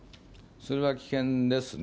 それは危険ですね。